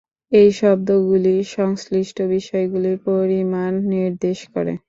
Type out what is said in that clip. এই শব্দগুলি সংশ্লিষ্ট বিষয়গুলির পরিমাণ নির্দেশ করে।